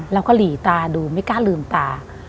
เราก็หลีตาดูไม่กล้าลืมตา